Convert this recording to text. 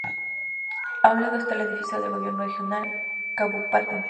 A un lado esta el edificio del gobierno regional, Kabupaten.